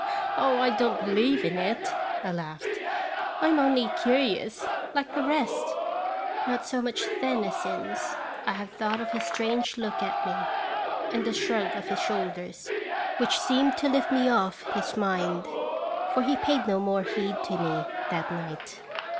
" "Oh, I don't believe in it," I laughed; "I am only curious, like the rest." Not so much then as since, I have thought of his strange look at me, and the shrug of his shoulders, which seemed to lift me off his mind, for he paid no more heed to me that night.